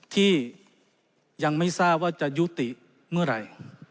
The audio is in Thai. ที่ยังไม่ทราบว่าจะยุติเมื่อไหร่